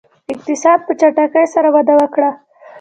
اقتصاد په چټکۍ سره وده وکړه.